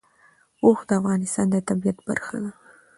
اوښ د افغانستان د طبیعت برخه ده.